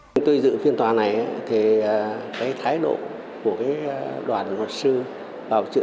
khi tôi dự phiên tòa này cái thái độ của đoàn luật sư